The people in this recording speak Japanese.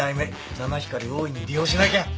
七光りを大いに利用しなきゃ。